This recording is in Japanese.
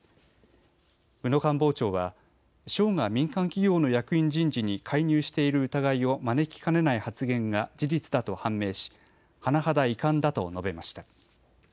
宇野官房長は省が民間企業の役員人事に介入している疑いを招きかねない発言が事実だと判明し甚だ遺憾だと述べました。